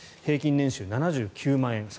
平均年収７９万円。